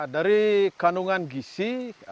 dari kandungan gisi